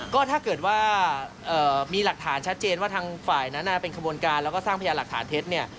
ก็ถ้าเกิดว่ามีหลักฐานชัดเจนว่าทางฝ่ายนั้นเป็นขบวนการแล้วก็สร้างพยานหลักฐานเท็จเนี่ย